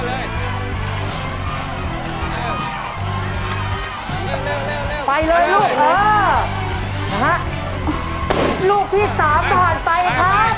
ไฟเลยลูกเอ่อลูกที่สามผ่านไปนะคะ